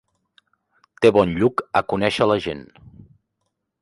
Té bon lluc a conèixer la gent.